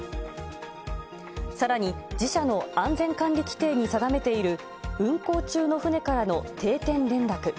さらに自社の安全管理規程に定めている運航中の船からの定点連絡。